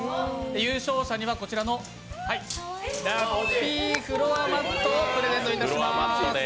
優勝者にはこちらの、ラッピーフロアマットをプレゼントいたします。